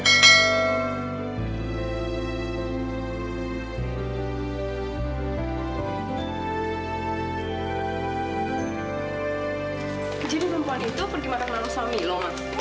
jadi perempuan itu pun dimarahi lalu sama milo